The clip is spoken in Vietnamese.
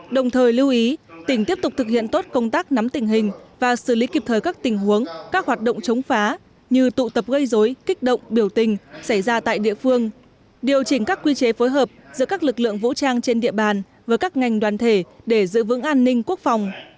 đồng thời lưu ý tỉnh tiếp tục thực hiện tốt công tác nắm tình hình và xử lý kịp thời các tình huống các hoạt động chống phá như tụ tập gây dối kích động biểu tình xảy ra tại địa phương điều chỉnh các quy chế phối hợp giữa các lực lượng vũ trang trên địa bàn với các ngành đoàn thể để giữ vững an ninh quốc phòng